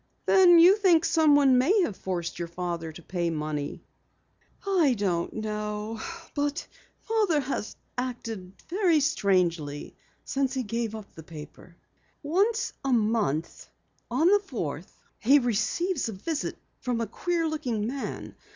"Then you think someone may have forced your father to pay money?" "I don't know. But Father has acted strangely ever since he gave up the paper. Once a month, on the fourth, he receives a visit from a queer looking man.